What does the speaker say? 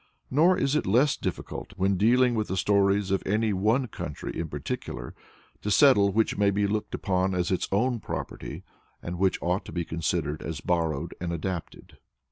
Nor is it less difficult, when dealing with the stories of any one country in particular, to settle which may be looked upon as its own property, and which ought to be considered as borrowed and adapted.